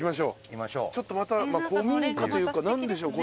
ちょっとまた古民家というか何でしょう？